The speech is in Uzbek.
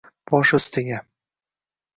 Bosh ustiga